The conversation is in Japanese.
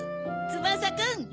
つばさくん。